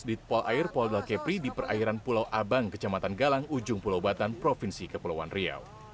ditpol air polda kepri di perairan pulau abang kecamatan galang ujung pulau batan provinsi kepulauan riau